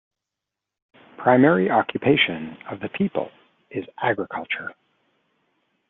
Primary occupation of the people is agriculture.